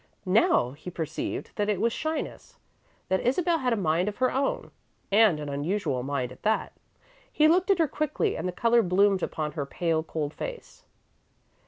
Now he perceived that it was shyness; that Isabel had a mind of her own, and an unusual mind, at that. He looked at her quickly and the colour bloomed upon her pale, cold face.